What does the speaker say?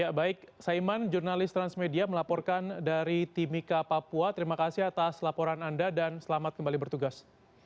ya baik saiman jurnalis transmedia melaporkan dari timika papua terima kasih atas laporan anda dan selamat kembali bertugas